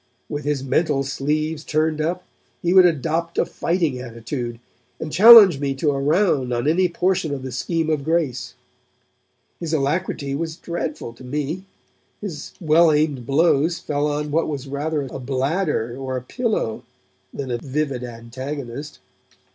With his mental sleeves turned up, he would adopt a fighting attitude, and challenge me to a round on any portion of the Scheme of Grace. His alacrity was dreadful to me, his well aimed blows fell on what was rather a bladder or a pillow than a vivid antagonist.